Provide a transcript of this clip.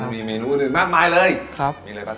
มีเมนูอื่นมากมายเลยครับ